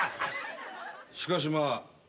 しかしまあ